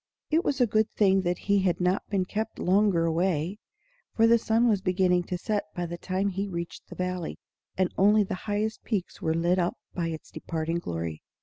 It was a good thing that he had not been kept longer away, for the sun was beginning to set by the time he reached the valley, and only the highest peaks were lit up by its departing glory.